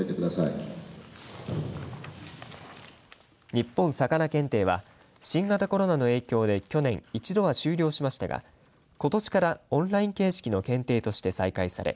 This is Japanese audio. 日本さかな検定は新型コロナの影響で去年一度は終了しましたがことしからオンライン形式の検定として再開され